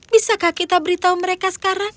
bisakah kita beritahu mereka sekarang